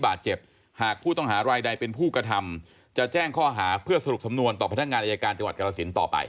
หากผู้ต้องหารายใดเป็นผู้กระทำจะแจ้งข้อหาเพื่อสรุปสำนวนต่อพนักงานอายการจังหวัดกรสินต่อไป